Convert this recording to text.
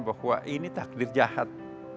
bahwa ini takdir jahat